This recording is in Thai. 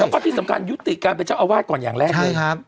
แล้วก็ที่สำคัญยุติการเป็นเจ้าอาวาสก่อนอย่างแรกเลย